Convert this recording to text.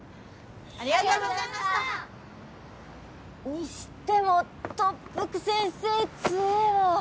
にしても特服先生強えわ。